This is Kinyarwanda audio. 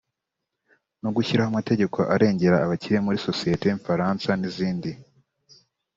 no gushyiraho amategeko arengera abakire muri sosiyete nfaransa n’izindi